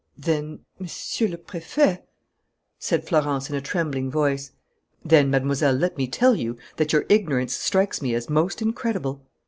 "Then, Monsieur le Préfet ?" said Florence, in a trembling voice. "Then, Mademoiselle, let me tell you that your ignorance strikes me as most incredible."